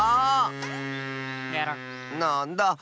なんだあ。